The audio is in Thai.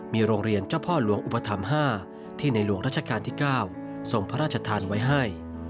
มีโรงเรียนเจ้าพ่อหลวงอุปถัมภ์๕ที่ในหลวงราชการที่๙ทรงพระราชทานไว้ให้